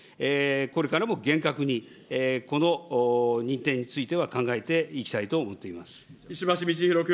これからも厳格にこの認定については考えていきたいと思っており石橋通宏君。